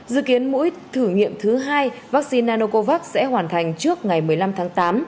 dự kiến mũi thử nghiệm thứ hai vaccine nanocovax sẽ hoàn thành trước ngày một mươi năm tháng tám